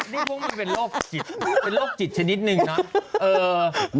นี่พวกมันเป็นโรคจิตเป็นโรคจิตชนิดนึงเนาะ